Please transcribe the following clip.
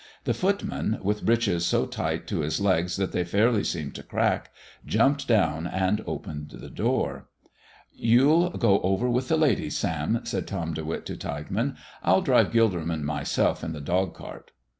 The footman, with breeches so tight to his legs that they fairly seemed to crack, jumped down and opened the door. "You'll go over with the ladies, Sam," said Tom De Witt to Tilghman. "I'll drive Gilderman myself in the dog cart."